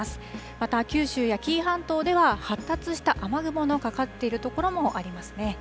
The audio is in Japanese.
また九州や紀伊半島では、発達した雨雲のかかっている所もありますね。